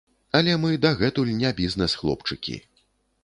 Але мы дагэтуль не бізнэс-хлопчыкі.